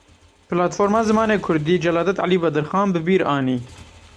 Platforma Zimanê kurdî Celadet Elî Bedirxan bi bîr anî.